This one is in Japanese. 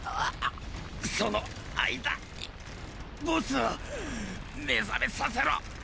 その間にボスを目覚めさせろ。